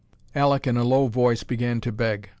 Alek, in a low voice, began to beg.